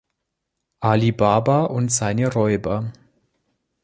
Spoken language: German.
Ali Baba und seine Räuber.